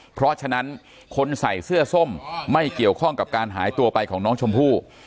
เพราะฉะนั้นคนใส่เสื้อส้มไม่เกี่ยวข้องกับการหายตัวไปของน้องชมพู่